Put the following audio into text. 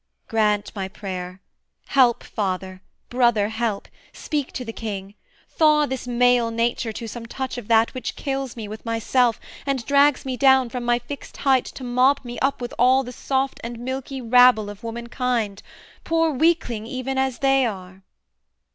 grant my prayer. Help, father, brother, help; speak to the king: Thaw this male nature to some touch of that Which kills me with myself, and drags me down From my fixt height to mob me up with all The soft and milky rabble of womankind, Poor weakling even as they are.'